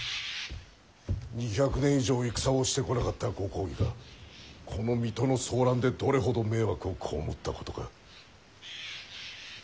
２００年以上戦をしてこなかったご公儀がこの水戸の騒乱でどれほど迷惑を被ったことか。